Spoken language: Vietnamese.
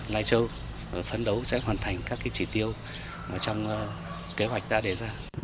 lai châu phấn đấu sẽ hoàn thành các chỉ tiêu trong kế hoạch đã đề ra